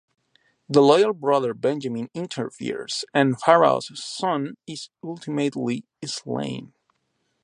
The loyal brother Benjamin interferes, and Pharaoh's son is ultimately slain.